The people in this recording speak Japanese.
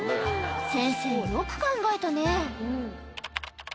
先生、よく考えたね。